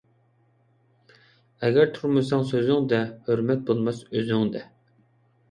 ئەگەر تۇرمىساڭ سۆزۈڭدە، ھۆرمەت بولماس ئۆزۈڭدە.